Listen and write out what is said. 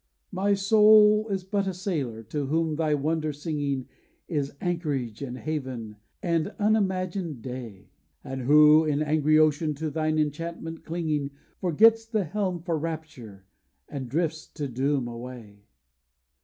'My soul is but a sailor, to whom thy wonder singing Is anchorage, and haven, and unimagined day! And who, in angry ocean, to thine enchantment clinging, Forgets the helm for rapture, and drifts to doom away.